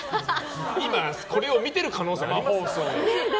今これを見てる可能性あるよ